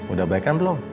udah baik kan belum